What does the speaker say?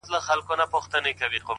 مثبت فکر د ارام ژوند ملګری دی